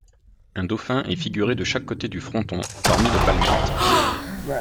Un dauphin est figuré de chaque côté du fronton, parmi les palmettes.